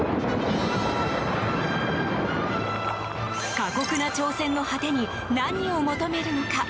過酷な挑戦の果てに何を求めるのか。